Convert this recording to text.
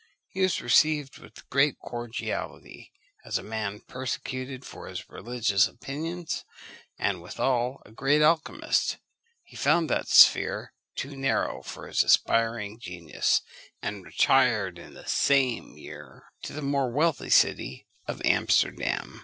He was received with great cordiality, as a man persecuted for his religious opinions, and withal a great alchymist. He found that sphere too narrow for his aspiring genius, and retired in the same year to the more wealthy city of Amsterdam.